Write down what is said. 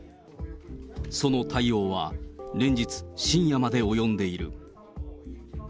その対応は、連日深夜まで及んでいる。